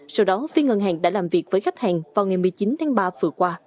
sau đó phía ngân hàng đã làm việc với khách hàng vào ngày một mươi chín tháng ba vừa qua